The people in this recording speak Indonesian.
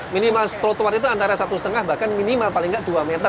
minimal trotoar itu antara satu setengah bahkan minimal paling tidak dua meter